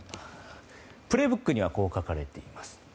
「プレイブック」にはこう書かれています。